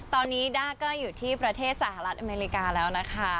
ตอนนี้ด้าก็อยู่ที่ประเทศสหรัฐอเมริกาแล้วนะคะ